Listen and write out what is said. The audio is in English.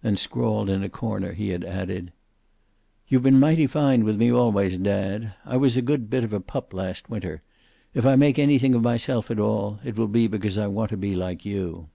Then scrawled in a corner he had added, "You've been mighty fine with me always, dad. I was a good bit of a pup last winter. If I make anything of myself at all, it will be because I want to be like you."